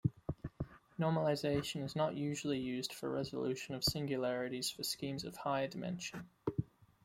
Normalization is not usually used for resolution of singularities for schemes of higher dimension.